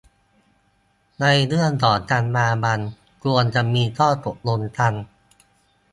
ในเรื่องของจรรยาบรรณ ควรจะมีข้อตกลงกัน